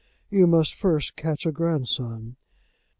"You must first catch a grandson."